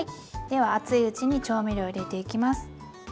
では熱いうちに調味料入れていきます。